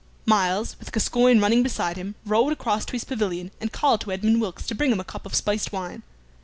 Myles, with Gascoyne running beside him, rode across to his pavilion, and called to Edmund Wilkes to bring him a cup of spiced wine.